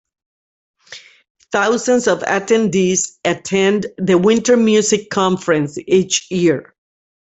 Thousands of attendees attend the Winter Music Conference each year.